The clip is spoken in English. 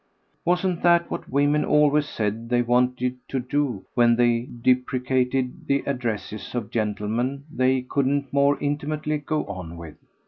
Wasn't that what women always said they wanted to do when they deprecated the addresses of gentlemen they couldn't more intimately go on with?